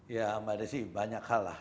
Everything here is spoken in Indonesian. ya mbak desi banyak hal lah